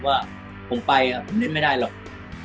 ว่าผมไปผมเล่นไม่ได้หรอก